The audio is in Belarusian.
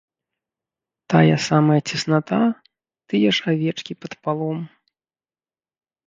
Тая самая цесната, тыя ж авечкі пад палом.